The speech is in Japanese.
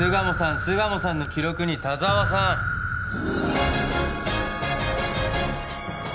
巣鴨さんの記録に田沢さんあっ